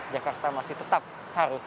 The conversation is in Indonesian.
jakarta masih tetap harus